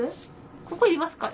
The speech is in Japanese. ここいりますか？